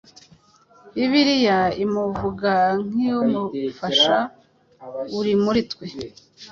Bibliya imuvuga nk’« umufasha » uri muri twe